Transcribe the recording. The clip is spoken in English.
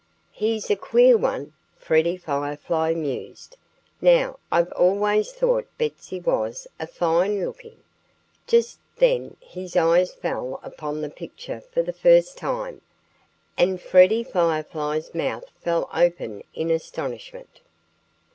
"He's a queer one!" Freddie Firefly mused. "Now, I've always thought Betsy was a fine looking " Just then his eyes fell upon the picture for the first time. And Freddie Firefly's mouth fell open in astonishment.